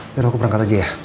biar aku berangkat aja ya